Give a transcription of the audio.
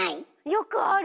よくある！